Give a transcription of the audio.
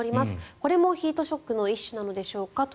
これもヒートショックの一種なのでしょうか？